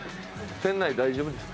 店内大丈夫ですか？